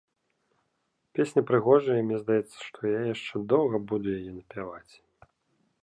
Песня прыгожая, і мне здаецца, што я яшчэ доўга буду яе напяваць!